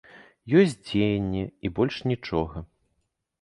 Ёсць дзеянне, і больш нічога.